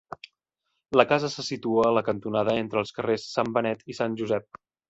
La casa se situa a la cantonada entre els carrers Sant Benet i Sant Josep.